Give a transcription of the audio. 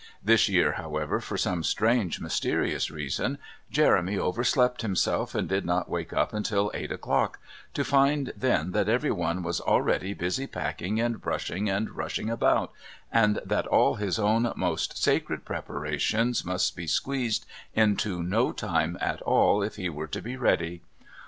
This year, however, for some strange mysterious reason Jeremy overslept himself and did not wake up until eight o'clock, to find then that everyone was already busy packing and brushing and rushing about, and that all his own most sacred preparations must be squeezed into no time at all if he were to be ready.